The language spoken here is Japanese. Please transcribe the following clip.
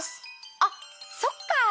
あっそっか！